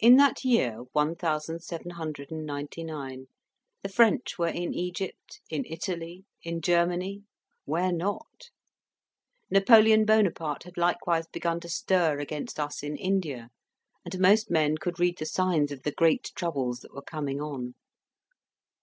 In that year, one thousand seven hundred and ninety nine, the French were in Egypt, in Italy, in Germany, where not? Napoleon Bonaparte had likewise begun to stir against us in India, and most men could read the signs of the great troubles that were coming on.